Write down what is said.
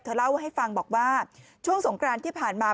เล่าให้ฟังบอกว่าช่วงสงกรานที่ผ่านมา